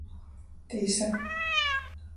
Tīsa.